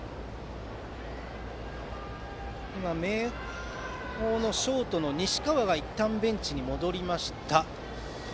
今、明豊のショートの西川がいったんベンチに戻りました。